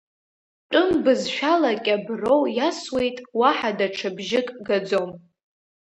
Тәым бызшәала кьаброу иасуеит, уаҳа даҽа бжьык гаӡом.